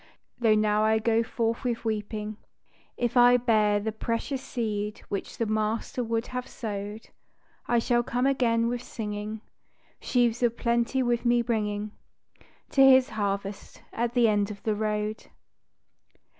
Though I now go forth with weeping, If I bear the precious seed which the Master would have sowed, I shall come again with singing, Sheaves of plenty with me bringing To His harvest at the end of the road.